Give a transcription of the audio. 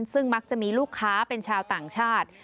ซึ่งมักจะมีลูกค้าเป็นชาวต่างชาติ